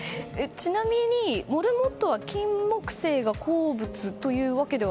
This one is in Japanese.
ちなみに、モルモットはキンモクセイが好物というわけでは。